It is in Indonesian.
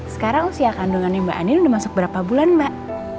sekarang usia kandungannya mbak ani udah masuk berapa bulan mbak